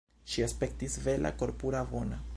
Ŝi aspektis bela, korpura, bona.